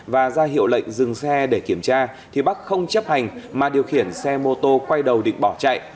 và ra hiệu lệnh dừng xe để kiểm tra thì bắc không chấp hành mà điều khiển xe mô tô quay đầu định bỏ chạy